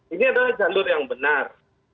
ini adalah jalur yang benar